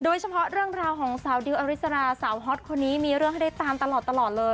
โดยเฉพาะเรื่องราวของสาวดิวอริสราสาวฮอตคนนี้มีเรื่องให้ได้ตามตลอดเลย